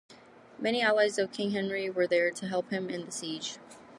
Many allies of king Henry were there to help him in the siege.